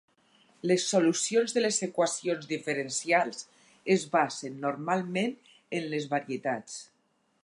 Les solucions de les equacions diferencials es basen normalment en les varietats.